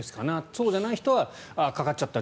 そうじゃない人はちょっとかかっちゃった